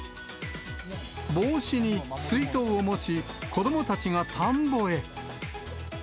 帽子に水筒を持ち、子どもたちが田んぼへ。